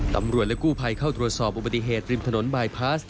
ตำรวจและกู้ภัยเข้าตรวจสอบอุบัติเหตุริมถนนบายพลาส